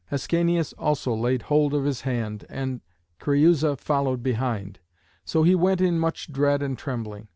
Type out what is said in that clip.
Ascanius also laid hold of his hand, and Creüsa followed behind. So he went in much dread and trembling.